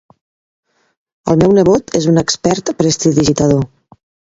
El meu nebot és un expert prestidigitador.